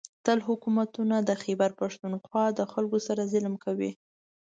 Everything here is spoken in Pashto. . تل حکومتونه د خېبر پښتونخوا د خلکو سره ظلم کوي